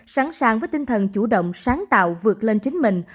sẵn sàng với tinh thần chủ động sáng tạo vượt lên chính mình